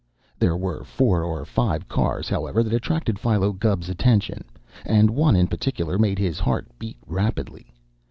There were four or five cars, however, that attracted Philo Gubb's attention, and one in particular made his heart beat rapidly.